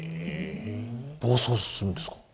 暴走するんですか？